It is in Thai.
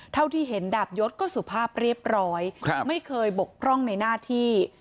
เท่าที่เห็นดาบยศก็สุภาพเรียบร้อยไม่เคยบกพร่องในหน้าที่